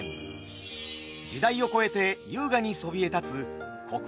時代を超えて優雅にそびえ立つ国宝姫路城。